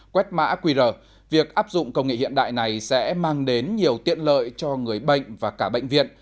quét mã qr việc áp dụng công nghệ hiện đại này sẽ mang đến nhiều tiện lợi cho người bệnh và cả bệnh viện